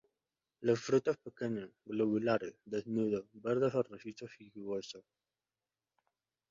Los frutos pequeños, globulares, desnudos, verdes o rojizos y jugosos.